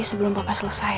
sebelum papa selesai